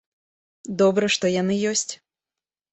Добра, што яны ёсць.